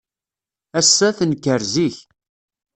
Ass-a, tenker zik.